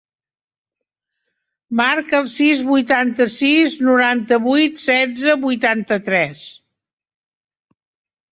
Marca el sis, vuitanta-sis, noranta-vuit, setze, vuitanta-tres.